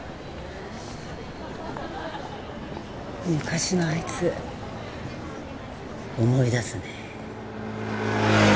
昔のあいつ思い出すね。